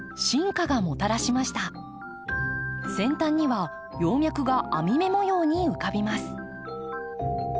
先端には葉脈が網目模様に浮かびます。